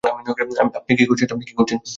আপনি কী করছেন?